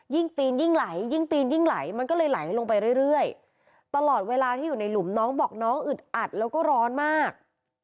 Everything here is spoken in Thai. ปีนยิ่งไหลยิ่งปีนยิ่งไหลมันก็เลยไหลลงไปเรื่อยตลอดเวลาที่อยู่ในหลุมน้องบอกน้องอึดอัดแล้วก็ร้อนมาก